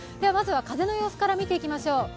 まずは、風の様子から見ていきましょう。